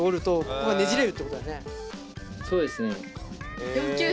そうですね。